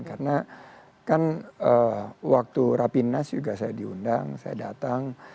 karena kan waktu rapi nas juga saya diundang saya datang